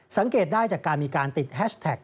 สังเกตได้จากการมีการติดแฮชแท็ก